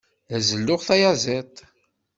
La zelluɣ tayaziḍt.